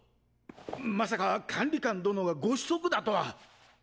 まさか管理官殿がご子息だとは。